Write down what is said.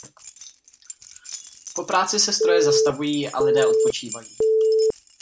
Po práci se stroje zastavují a lidé odpočívají.